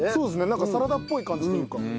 なんかサラダっぽい感じというか。